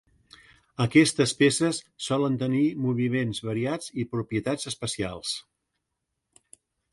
Aquestes peces solen tenir moviments variats i propietats especials.